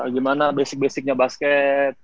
gimana basic basicnya basketnya